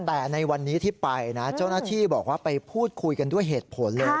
แต่ในวันนี้ที่ไปนะเจ้าหน้าที่บอกว่าไปพูดคุยกันด้วยเหตุผลเลย